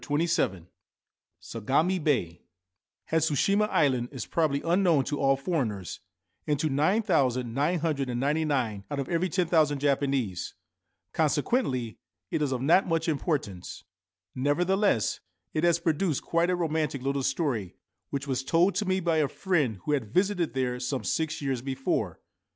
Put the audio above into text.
161 21 XXVII SAGAMI BAY HATSUSHIMA ISLAND is probably unknown to all foreigners, and to 9999 out of every 10,000 Japanese ; consequently, it is of not much importance. Nevertheless, it has produced quite a romantic little story, which was told to me by a friend who had visited there some six years before.